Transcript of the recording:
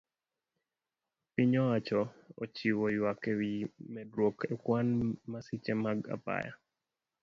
Piny owacho ochiwo yuak ewi medruok e kwan masiche mag apaya